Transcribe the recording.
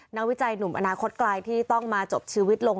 วิจัยหนุ่มอนาคตไกลที่ต้องมาจบชีวิตลง